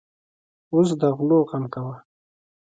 اوس د غلو غم کوه.